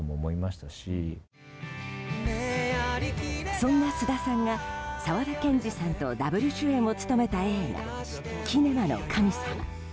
そんな菅田さんが沢田研二さんとダブル主演を務めた映画「キネマの神様」。